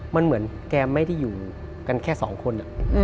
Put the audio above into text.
มันเหมือนแกไม่ได้อยู่กันแค่สองคน